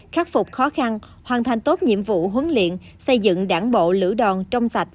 khắc phục khó khăn hoàn thành tốt nhiệm vụ huấn luyện xây dựng đảng bộ lữ đoàn trong sạch